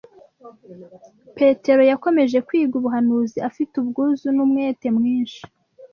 Petero yakomeje kwiga ubuhanuzi afite ubwuzu n’umwete mwinshi